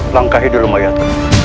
langkah hidup mayat